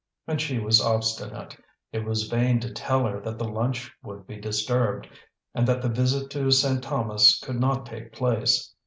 And she was obstinate; it was vain to tell her that the lunch would be disturbed, and that the visit to Saint Thomas could not take place.